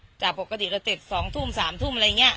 ช้าลงจากปกติเราเต็ดสองทุ่มสามทุ่มอะไรอย่างเงี้ย